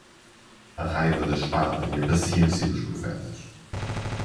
A raiva da espada e a paciência dos profetas